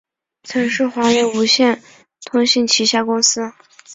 曾是华脉无线通信旗下公司。